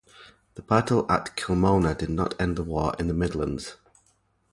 The battle at Kilmona did not end the war in the midlands.